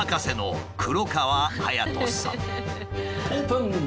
オープン！